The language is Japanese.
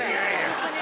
ホントに。